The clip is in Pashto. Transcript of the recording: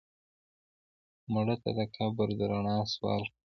مړه ته د قبر د رڼا سوال کوو